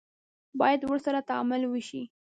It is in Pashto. باید ورسره تعامل وشي.